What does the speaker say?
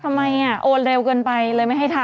โอนเร็วเกินไปเลยไม่ให้ทำ